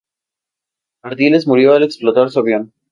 Ardiles murió al explotar su avión.